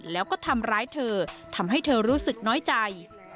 แล้วก็ทำร้ายเธอทำให้เธอรู้สึกน้อยใจ